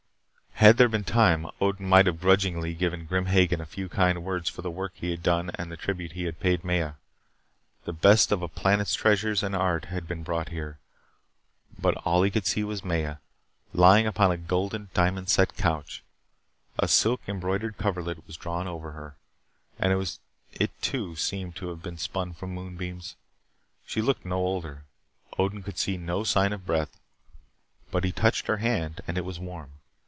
Had there been time, Odin might have grudgingly given Grim Hagen a few kind words for the work he had done and the tribute he had paid Maya. The best of a planet's treasures and art had been brought here. But all he could see was Maya, lying upon a golden, diamond set couch. A silk embroidered coverlet was drawn over her, and it too seemed to have been spun from moonbeams. She looked no older. Odin could see no sign of breath. But he touched her hand and it was warm.